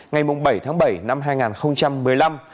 ngày bảy tháng bảy năm hai nghìn một mươi năm